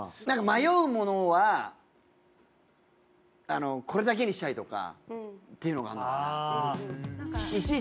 なんか迷うものはこれだけにしたいとかっていうのがあんのかね。